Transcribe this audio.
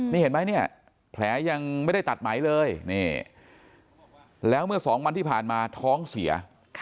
นี่เห็นไหมเนี่ยแผลยังไม่ได้ตัดไหมเลยนี่แล้วเมื่อสองวันที่ผ่านมาท้องเสีย